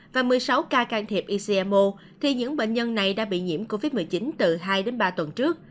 và một mươi sáu ca can thiệp icmo thì những bệnh nhân này đã bị nhiễm covid một mươi chín từ hai đến ba tuần trước